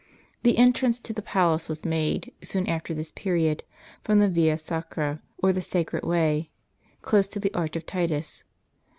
The entrance to the palace was made, soon after this period, from the Via Sacra, or Saci'ed Way, close to the arch of Titus.